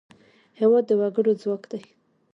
هېواد د وګړو ځواک دی.